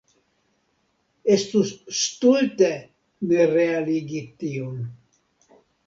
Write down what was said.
Estus stulte ne realigi tion.